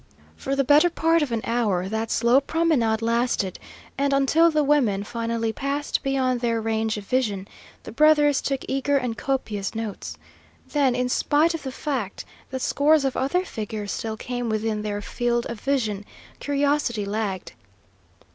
For the better part of an hour that slow promenade lasted, and until the women finally passed beyond their range of vision, the brothers took eager and copious notes. Then, in spite of the fact that scores of other figures still came within their field of vision, curiosity lagged.